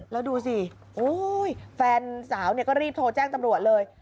แล้วดูสิแฟนสาวก็รีบโทรแจ้งตำรวจเลย